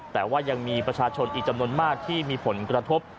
แต่ว่ายังมีประชาชนอีกจำนวนมากที่มีผลกระทบ